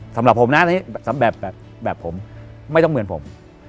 สำหรับผมนะแบบผมไม่ต้องเหมือนผม